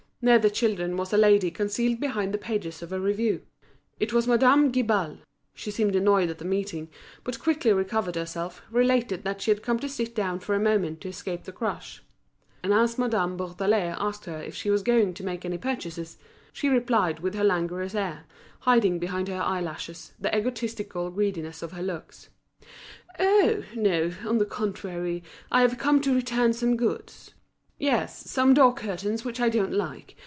Near the children was a lady concealed behind the pages of a review. It was Madame Guibal She seemed annoyed at the meeting; but quickly recovering herself, related that she had come to sit down for a moment to escape the crush. And as Madame Bourdelais asked her if she was going to make any purchases, she replied with her languorous air, hiding behind her eyelashes the egoistical greediness of her looks: "Oh! no. On the contrary, I have come to return some goods. Yes, some door curtains which I don't like.